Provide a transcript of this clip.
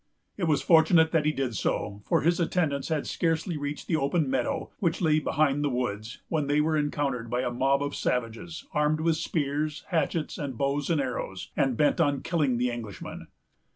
It was fortunate that he did so; for his attendants had scarcely reached the open meadow, which lay behind the woods, when they were encountered by a mob of savages, armed with spears, hatchets, and bows and arrows, and bent on killing the Englishman.